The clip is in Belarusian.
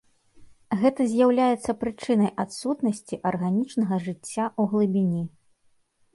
Гэта з'яўляецца прычынай адсутнасці арганічнага жыцця ў глыбіні.